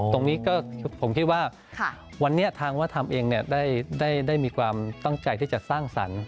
ตรงนี้ก็ผมคิดว่าวันนี้ทางวัฒนธรรมเองได้มีความตั้งใจที่จะสร้างสรรค์